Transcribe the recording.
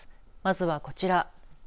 まずはこちら。